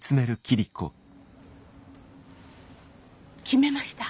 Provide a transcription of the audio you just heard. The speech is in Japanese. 決めました。